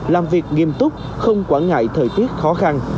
làm việc nghiêm túc không quản ngại thời tiết khó khăn